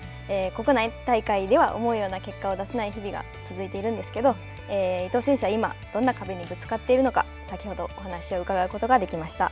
国内大会では思うような結果を出せない日々が続いているんですけれども伊藤選手は今、どんな壁にぶつかっているのか、先ほど、お話を伺うことができました。